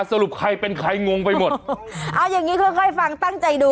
สรุปใครเป็นใครงงไปหมดเอาอย่างงี้ค่อยค่อยฟังตั้งใจดู